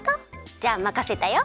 じゃあまかせたよ。